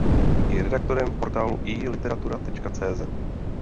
Je redaktorem portálu iLiteratura.cz.